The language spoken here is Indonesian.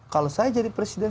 kalau saya jadi presiden